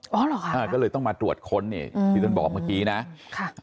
อ๋อเหรอคะอ่าก็เลยต้องมาตรวจค้นเนี่ยที่ท่านบอกเมื่อกี้นะค่ะ